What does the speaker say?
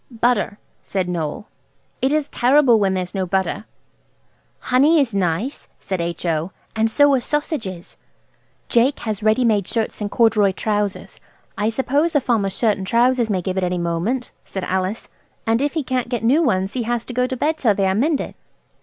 "Butter," said Noël; "it is terrible when there is no butter." "Honey is nice," said H.O., "and so are sausages." "Jake has ready made shirts and corduroy trousers. I suppose a farmer's shirt and trousers may give at any moment," said Alice, "and if he can't get new ones he has to go to bed till they are mended."